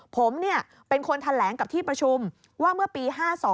ผมเป็นคนแถลงกับที่ประชุมว่าเมื่อปี๕๒